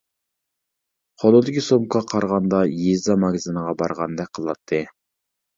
قولىدىكى سومكىغا قارىغاندا يېزا ماگىزىنىغا بارغاندەك قىلاتتى.